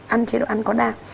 ăn chế độ ăn có đạm